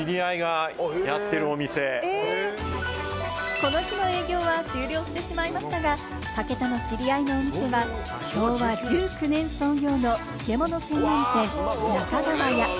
この日の営業は終了してしまいましたが、武田の知り合いの店は昭和１９年創業の漬物専門店・中川屋。